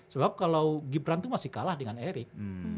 sebab kalau gibran itu masih kalah dengan erik